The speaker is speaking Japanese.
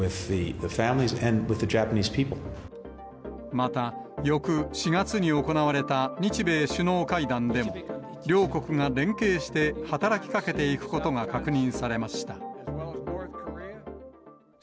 また、翌４月に行われた日米首脳会談でも、両国が連携して働きかけていくことが確認されました。